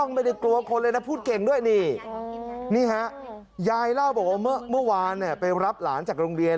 นี่ครับยายเล่าบอกว่าเมื่อวานไปรับหลานจากโรงเรียน